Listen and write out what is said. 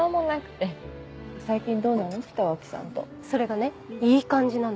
それがねいい感じなのよ。